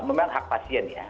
memang hak pasien ya